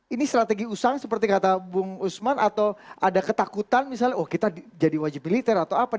ini strategi usang seperti kata bung usman atau ada ketakutan misalnya oh kita jadi wajib militer atau apa